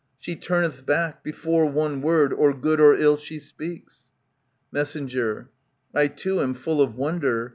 She turneth back. Before one word, or good or ill, she speaks. Mess, I too am full of wonder.